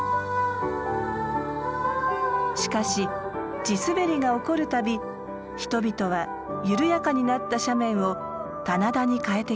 しかし地すべりが起こるたび人々は緩やかになった斜面を棚田に変えてきました。